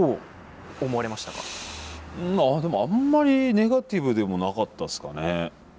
まあでもあんまりネガティブでもなかったですかね。